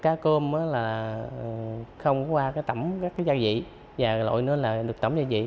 cá cơm không qua tẩm gia vị và loại nữa là được tẩm gia vị